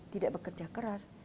tidak bekerja keras